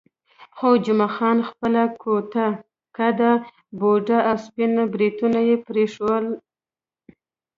خو جمعه خان خپله کوټه قده، بوډا او سپین بریتونه یې پرې ایښي ول.